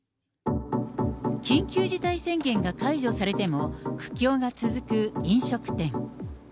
緊急事態宣言が解除されても、苦境が続く飲食店。